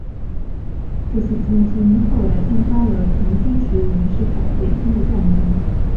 这些黔军后来参加了同支持袁世凯的北军的战争。